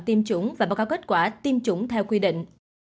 tiêm chủng và báo cáo kết quả tiêm chủng theo quy định